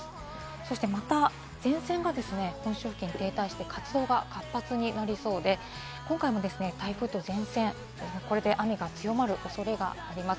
そしてまた前線が本州付近に停滞して活動が活発になりそうで、今回も台風と前線、これで雨が強まるおそれがあります。